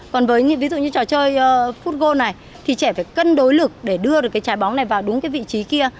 còn với ví dụ như trò chơi football này thì trẻ phải cân đối lực để đưa trái bóng này vào đúng vị trí kia